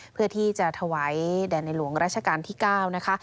เพื่อที่จะถวายแด่ในหลวงราชการที่๙นะคะ